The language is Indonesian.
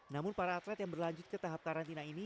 namun para atlet yang berlanjut ke tahap karantina ini